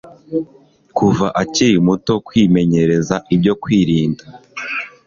kuva akiri muto kwimenyereza ibyo kwirinda